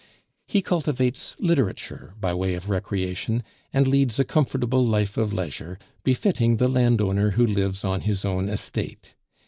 He cultivates literature by way of recreation, and leads a comfortable life of leisure, befitting the landowner who lives on his own estate.